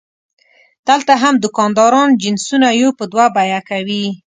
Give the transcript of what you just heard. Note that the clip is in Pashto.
دلته هم دوکانداران جنسونه یو په دوه بیه کوي.